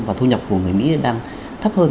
và thu nhập của người mỹ đang thấp hơn